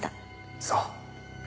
そう。